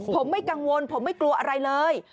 ผมไม่กังวลผมไม่กลัวอะไรเลย